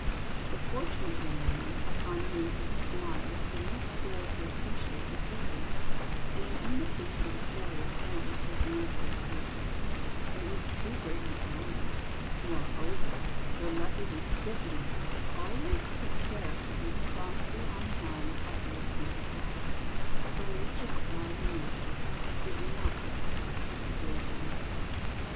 The fortunate young women upon whom he smiled did not fail to appreciate the favor, and an invitation to sail with him was never refused, it was too great an honor ; morever, the lucky recipi ent of it always took care to be promptly on hand at the appointed hour, for Mr. Clyde Moorfield did not like to be kept waiting.